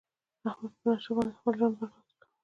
احمد په نشو باندې خپل ژوند برباد کړ.